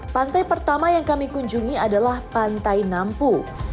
pantai pertama yang kami kunjungi adalah pantai nampu